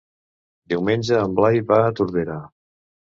Diumenge en Blai va a Tordera.